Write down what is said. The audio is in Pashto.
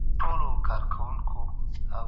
دا تر هغه اوږد دئ.